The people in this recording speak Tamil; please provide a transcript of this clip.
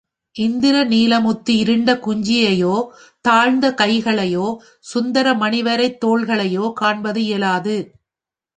இந்திர நீலம் ஒத்து இருண்ட குஞ்சியையோ, தாழ்ந்த கைகளையோ, சுந்தர மணிவரைத் தோள்களையோ காண்பது இயலாது.